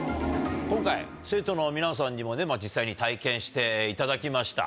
今回生徒の皆さんにも実際に体験していただきました。